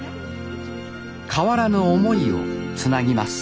変わらぬ思いをつなぎます。